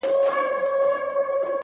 اكثره وخت بيا پر دا بل مخ واوړي!